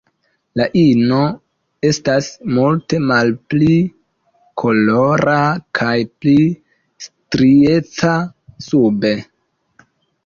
La ino estas multe malpli kolora kaj pli strieca sube.